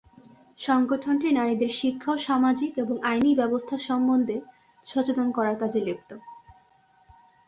সংগঠনটি নারীদের শিক্ষা ও সামাজিক এবং আইনী ব্যবস্থা সম্বন্ধে সচেতন করার কাজে লিপ্ত।